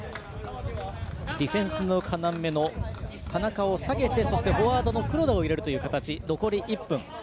ディフェンスの要の田中を下げてフォワードの黒田を入れる形。